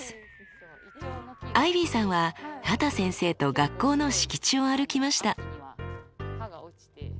アイビーさんは畑先生と学校の敷地を歩きました。